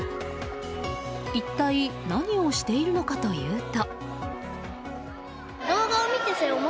一体何をしているのかというと。